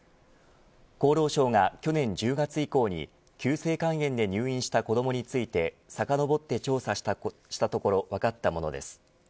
厚労省が去年１０月以降に急性肝炎で入院した子どもについてさかのぼって調査したところ分かったものです。